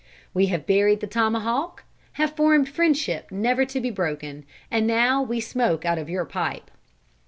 We have buried the tomahawk, have formed friendship never to be broken, and now we smoke out of your pipe.